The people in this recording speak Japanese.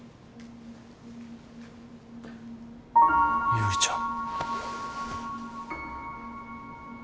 優里ちゃん。